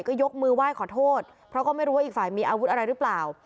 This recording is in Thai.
ก็ยกมือไหว้ขอโทษเพราะก็ไม่รู้ว่าอีกฝ่ายมีอาวุธอะไรหรือเปล่า